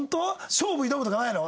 勝負挑むとかないの？